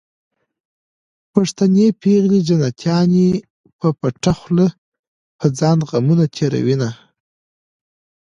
پښتنې پېغلې جنتيانې په پټه خوله په ځان غمونه تېروينه